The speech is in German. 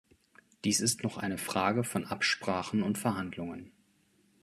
Dies ist noch eine Frage von Absprachen und Verhandlungen.